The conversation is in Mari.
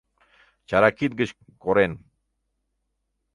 Чара кид гыч, корен